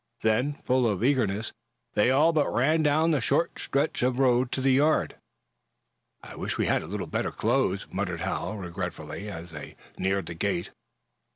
Then, full of eagerness, they all but ran down the short stretch of road to the yard. "I wish we had a little better clothes," muttered Hal, regretfully, as they neared the gate.